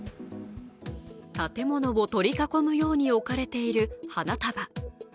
建物を取り囲むように置かれている花束。